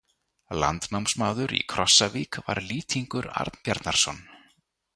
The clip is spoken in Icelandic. Landnámsmaður í Krossavík var Lýtingur Arnbjarnarson.